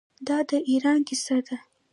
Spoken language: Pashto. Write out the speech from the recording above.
دا د ایران کیسه ده.